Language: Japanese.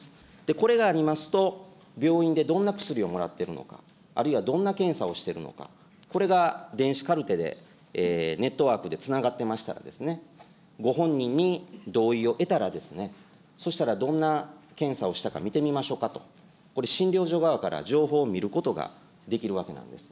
これがありますと、病院でどんな薬をもらってるのか、あるいはどんな検査をしているのか、これが電子カルテでネットワークでつながってましたらですね、ご本人に同意を得たら、そしたらどんな検査をしたか見てみましょうかと、これ、診療所側から情報を見ることができるわけなんです。